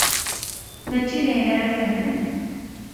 Mačči d ayen ara fehmen.